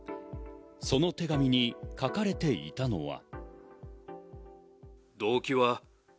その手紙に書かれていたのは。